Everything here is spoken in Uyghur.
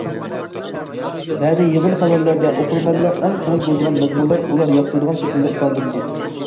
بەزى يىغىن خەۋەرلىرىدە ئوقۇرمەنلەر ئەڭ كۆڭۈل بۆلىدىغان مەزمۇنلار ئۇلار ياقتۇرىدىغان شەكىلدە ئىپادىلىنىدۇ.